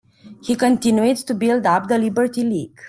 He continued to build up the Liberty League.